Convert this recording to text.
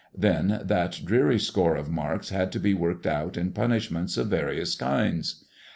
Then that dreary score of marks had to be worked out in punishments of various kinds.